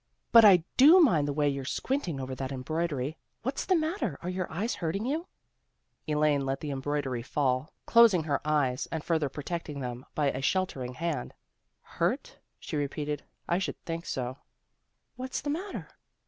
" But I do mind the way you're squinting over that embroidery. What's the matter? Are your eyes hurting you? " Elaine let the embroidery fall, closing her 274 THE GIRLS OF FRIENDLY TERRACE eyes, and further protecting them by a shelter ing hand. " Hurt? " she repeated. " I should think so." " What's the matter?